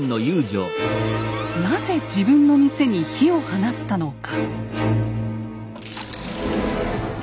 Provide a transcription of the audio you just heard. なぜ自分の店に火を放ったのか。